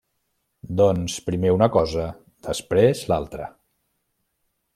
Doncs, primer una cosa, després l'altra.